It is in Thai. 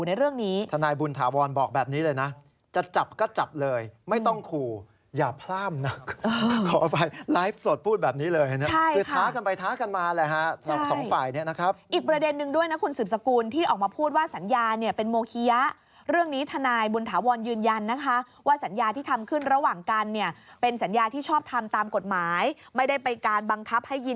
แล้วบอกด้วยนะว่าจะฟ้องร้องดำเนินคดีก